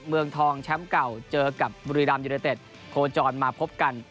เมืองทองแชมป์เก่าเจอกับบุรีรัมยูเนเต็ดโคจรมาพบกัน